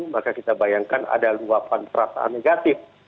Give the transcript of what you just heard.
maka kita bayangkan ada luapan perasaan negatif